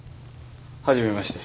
はじめまして。